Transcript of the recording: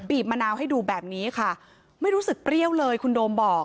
บมะนาวให้ดูแบบนี้ค่ะไม่รู้สึกเปรี้ยวเลยคุณโดมบอก